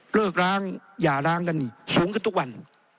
กร้างอย่าร้างกันนี่สูงขึ้นทุกวัน